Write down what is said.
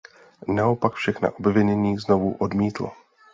Naopak všechna obvinění znovu odmítl.